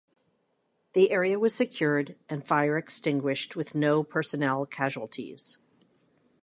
The area was secured and fire extinguished with no personnel casualties.